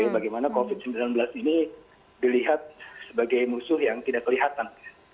bagaimana covid sembilan belas ini dilihat sebagai musuh yang tidak kelihatan